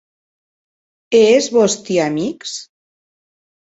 E es vòsti amics?